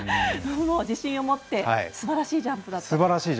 自信を持ってすばらしいジャンプだったと。